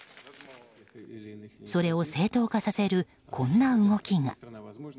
それを正当化させるこんな動きが。